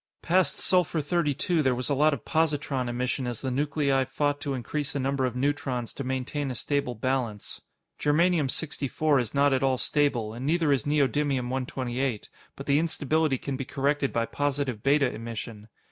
Past Sulfur 32, there was a lot of positron emission as the nuclei fought to increase the number of neutrons to maintain a stable balance. Germanium 64 is not at all stable, and neither is Neodymium 128, but the instability can be corrected by positive beta emission.